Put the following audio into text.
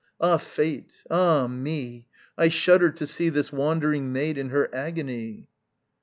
Ah Fate! ah me! I shudder to see This wandering maid in her agony.